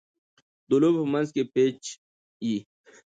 د لوبي په منځ کښي پېچ يي.